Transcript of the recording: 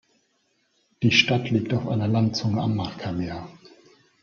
Die Stadt liegt auf einer Landzunge am Markermeer.